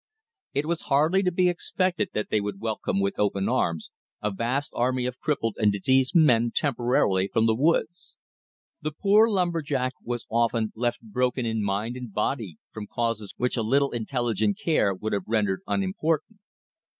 It was hardly to be expected that they would welcome with open arms a vast army of crippled and diseased men temporarily from the woods. The poor lumber jack was often left broken in mind and body from causes which a little intelligent care would have rendered unimportant.